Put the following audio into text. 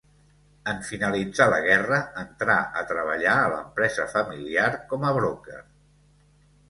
En finalitzar la guerra entrà a treballar a l'empresa familiar com a broker.